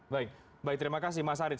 baik baik terima kasih mas haris